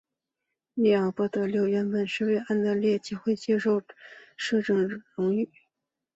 利奥波德六世原本以为安德烈会接受摄政这荣誉。